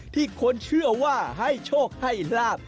ที่คนเชื่อว่าให้โชคให้ลาบ